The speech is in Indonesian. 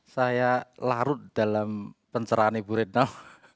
saya larut dalam pencerahan ibu retno